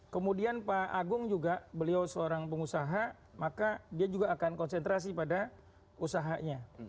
kemudian pak agung juga beliau seorang pengusaha maka dia juga akan konsentrasi pada usahanya